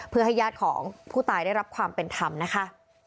เพื่อให้ญาติของผู้ตายได้รับความเป็นธรรมนะคะ